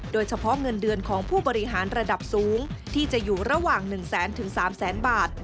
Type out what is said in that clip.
โดยเฉพาะเงินเดือนของผู้บริหารระดับสูงที่จะอยู่ระหว่าง๑แสนถึง๓แสนบาท